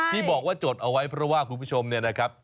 ที่บอกว่าจดเอาไว้เพราะว่าคุณผู้ชมเนี่ยนะครับ